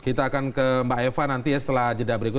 kita akan ke mbak eva nanti ya setelah jeda berikut